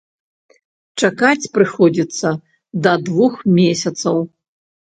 Чакаць прыходзіцца да двух месяцаў.